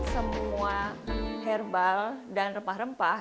semua herbal dan rempah rempah